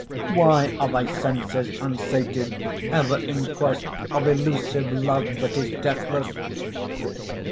Why are thy senses unsated Ever in quest of elusive Love that is deathless?